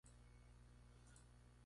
Son enredaderas sufrútices, ramificadas.